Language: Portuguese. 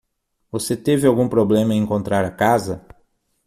Você teve algum problema em encontrar a casa?